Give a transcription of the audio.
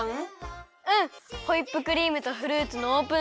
ホイップクリームとフルーツのオープンサンドだよ。